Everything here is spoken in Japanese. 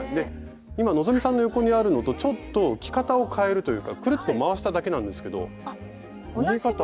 今希さんの横にあるのとちょっと着方を変えるというかくるっと回しただけなんですけど見え方。